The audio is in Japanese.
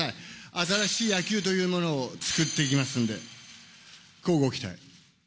新しい野球というものを作っていきますんで、乞うご期待。